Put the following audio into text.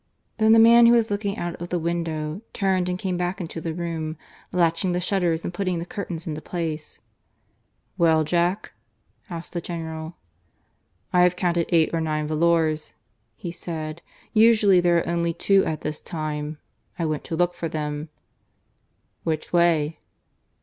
Then the man who was looking out of the window turned and came back into the room, latching the shutters and putting the curtains into place. "Well, Jack?" asked the General. "I have counted eight or nine volors," he said; "usually there are only two at this time. I went to look for them." "Which way?"